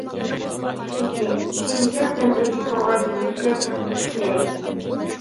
ئۈچىنچى، تىنچلىق سۆھبىتى توغرا يۆنىلىشىدە چىڭ تۇرۇش كېرەك.